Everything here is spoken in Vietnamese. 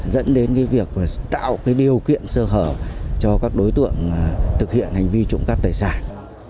dẫn đến việc tạo cái điều kiện sơ hở cho các đối tượng thực hiện hành vi trộm cắp tài sản